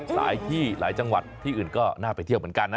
หลายที่หลายจังหวัดที่อื่นก็น่าไปเที่ยวเหมือนกันนะ